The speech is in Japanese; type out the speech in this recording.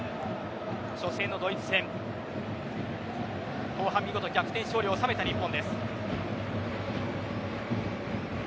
初戦のドイツ戦後半、見事逆転勝利を収めた日本です。